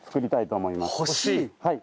はい。